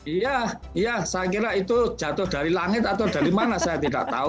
iya iya saya kira itu jatuh dari langit atau dari mana saya tidak tahu